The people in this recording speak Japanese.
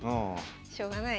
しょうがない。